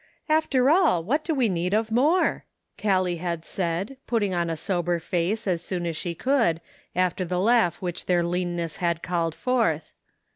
" After all what do we need of more ?" Callie had said, putting on a sober face as The Sum Total. 9 soon as she could, after the laugh which their leanness had called forth.